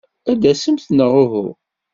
Ad d-tasemt neɣ uhu?